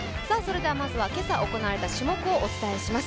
まずは今朝行われた種目をお伝えします。